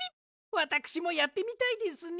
わたくしもやってみたいですね。